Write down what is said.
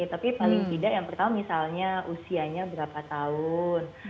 tapi paling tidak yang pertama misalnya usianya berapa tahun